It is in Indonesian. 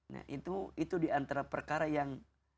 nah itu diantara perkara yang